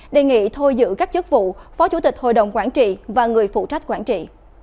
đề nghị thôi giữ các chức vụ phó chủ tịch hội đồng quản trị và người phụ trách quản trị